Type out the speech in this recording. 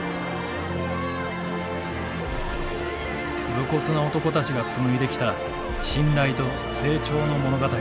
武骨な男たちが紡いできた信頼と成長の物語。